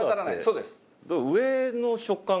そうですね。